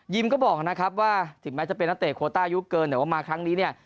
ก็บอกนะครับว่าถึงแม้จะเป็นนักเตะโคต้ายุคเกินแต่ว่ามาครั้งนี้เนี่ย